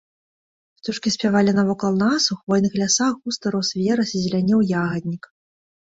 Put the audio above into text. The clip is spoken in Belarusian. Птушкі спявалі навокал нас, у хвойных лясах густа рос верас і зелянеў ягаднік.